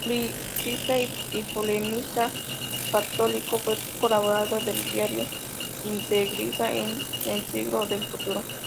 Publicista y polemista católico, fue colaborador del diario integrista "El Siglo Futuro".